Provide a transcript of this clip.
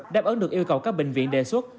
đáp ứng được yêu cầu các bệnh viện đề xuất